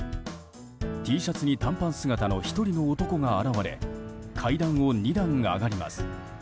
Ｔシャツに短パン姿の１人の男が現れ階段を２段上がります。